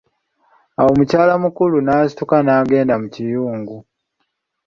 Awo mukyala mukulu, n'asituka n'agenda mu kiyungu.